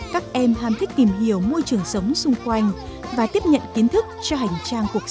các em ham thích tìm hiểu môi trường sống xung quanh và tiếp nhận kiến thức cho hành trang cuộc sống